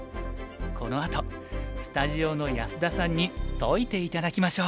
このあとスタジオの安田さんに解いて頂きましょう。